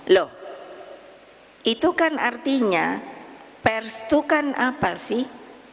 loh itu kan artinya pers itu kan apa sih